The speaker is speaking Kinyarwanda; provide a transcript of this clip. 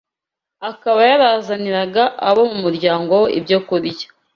akaba yarazaniraga abo mu muryango we ibyokurya